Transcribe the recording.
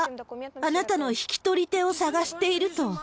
あなたの引き取り手を探していると。